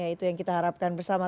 itu yang kita harapkan bersama